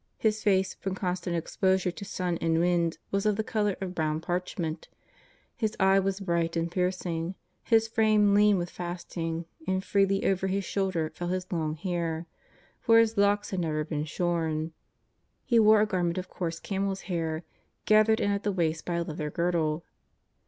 His face, from constant exposure to sun and wind, was of the colour of brown parchment ; his eye was bright and piercing; his frame lean with fasting, and freely over his shoulders fell his long hair, for his locks had never been shorn. He wore a garment of coarse camel's hair gathered in at the waist by a leathern girdle.